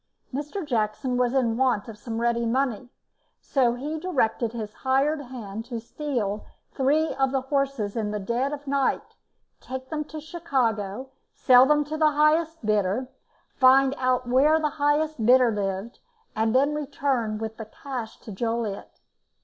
Mr. Jackson was in want of some ready money, so he directed his hired man to steal three of his horses in the dead of night, take them to Chicago, sell them to the highest bidder, find out where the highest bidder lived, and then return with the cash to Joliet.